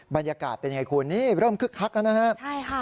บรรยากาศเป็นอย่างไรคุณเริ่มคึกคักแล้วนะครับ